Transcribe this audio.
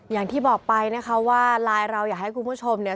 อย่างที่บอกไปนะคะว่าไลน์เราอยากให้คุณผู้ชมเนี่ย